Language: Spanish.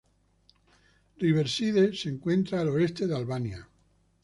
Riverside se encuentra al oeste de Albany.